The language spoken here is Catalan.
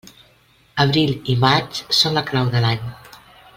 Abril i maig són la clau de l'any.